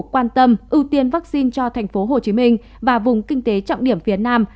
quan tâm ưu tiên vaccine cho tp hcm và vùng kinh tế trọng điểm phía nam